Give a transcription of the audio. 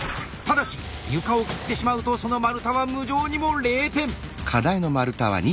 ただし床を切ってしまうとその丸太は無情にも０点。